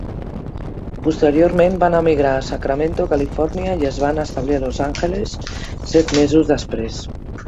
Posteriorment van emigrar a Sacramento, Califòrnia i es van establir a Los Angeles set mesos després.